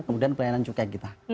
kemudian pelayanan cukai kita